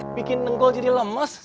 bikin tengkol jadi lemes set ya